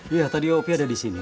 iya tadi opi ada disini